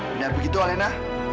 benar begitu alena